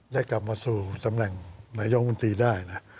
ได้กลับมาสู่สำแรงนายองมูลตีได้นะ